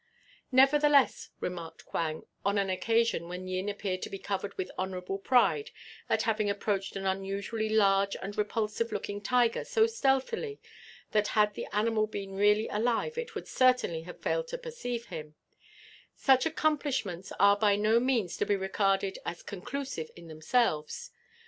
"Nevertheless," remarked Quang, on an occasion when Yin appeared to be covered with honourable pride at having approached an unusually large and repulsive looking tiger so stealthily that had the animal been really alive it would certainly have failed to perceive him, "such accomplishments are by no means to be regarded as conclusive in themselves.